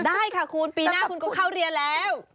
ได้ค่ะคุณปีหน้าคุณก็เข้าเรียนแล้ว